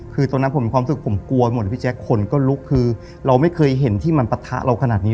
คือตอนนั้นผมมีความสุขผมกลัวหมดพี่แจ๊คคนก็ลุกคือเราไม่เคยเห็นที่มันปะทะเราขนาดนี้